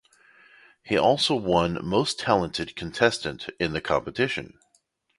He also won Most Talented contestant in the competition.